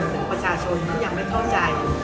หรือประชาชนที่ยังไม่เข้าใจ